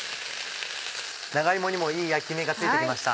長芋にもいい焼き目がついて来ました。